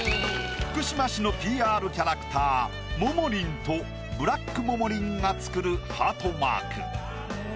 福島市のＰＲキャラクターももりんとブラックももりんが作るハートマーク。